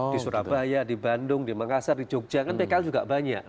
di surabaya di bandung di makassar di jogja kan tkl juga banyak